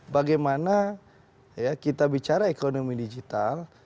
bagaimana kita bicara ekonomi digital